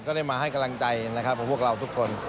ได้มาให้กำลังใจนะครับของพวกเราทุกคน